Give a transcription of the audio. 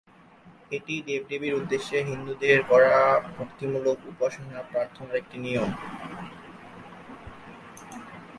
এটি দেবদেবীদের উদ্দেশ্যে হিন্দুদের করা ভক্তিমূলক উপাসনা-প্রার্থনার একটি নিয়ম।